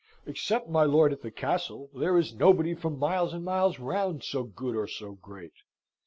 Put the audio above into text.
Except my lord at the castle, there is nobody for miles and miles round so good or so great.